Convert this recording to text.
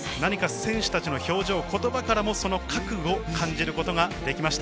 選手たちの表情、言葉からもその覚悟を感じることができました。